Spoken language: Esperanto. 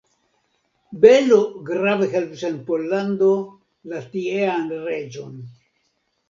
Belo grave helpis en Pollando la tiean reĝon.